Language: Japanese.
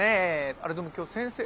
あれでも今日先生。